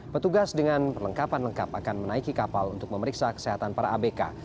petugas dengan perlengkapan lengkap akan menaiki kapal untuk memeriksa kesehatan para abk